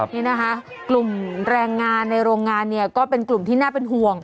นี่นะคะกลุ่มแรงงานในโรงงานเนี่ยก็เป็นกลุ่มที่น่าเป็นห่วง